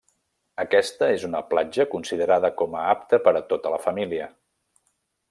Aquesta és una platja considerada com a apta per a tota la família.